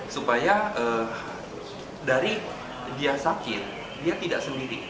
supaya dari dia sakit dia tidak sendiri